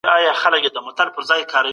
خسرو خان ولي ماتې وخوړه؟